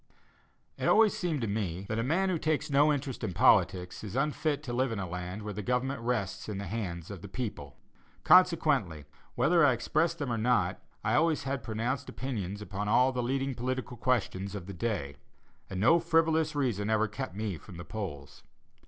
It always seemed to me that a man who "takes no interest in politics" is unfit to live in a land where the government rests in the hands of the people. Consequently, whether I expressed them or not, I always had pronounced opinions upon all the leading political questions of the day, and no frivolous reason ever kept me from the polls.